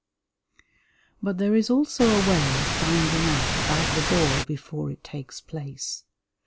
But there is also a way of finding out about the ball before it takes place.